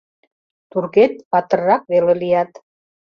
Туркет, патыррак веле лият.